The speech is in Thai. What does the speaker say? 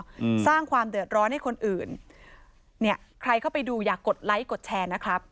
อืมสร้างความเดือดร้อนให้คนอื่นเนี้ยใครเข้าไปดูอย่ากดไลค์กดแชร์นะครับ